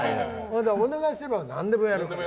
お願いすれば何でもやるの。